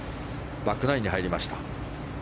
バックナインに入りました。